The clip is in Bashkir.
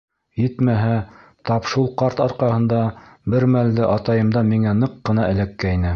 Етмәһә, тап шул ҡарт арҡаһында бер мәлде атайымдан миңә ныҡ ҡына эләккәйне.